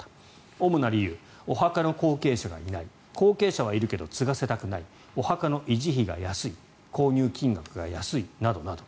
主な理由お墓の後継者がいない後継者はいるけど継がせたくないお墓の維持費が安い購入金額が安いなどなど。